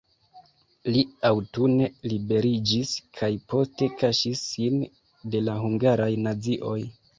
Li aŭtune liberiĝis kaj poste kaŝis sin de la hungaraj nazioj.